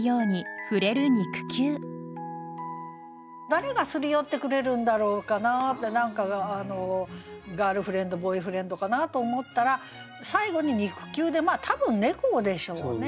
誰がすり寄ってくれるんだろうかなって何かガールフレンドボーイフレンドかなと思ったら最後に「肉球」で多分猫でしょうね。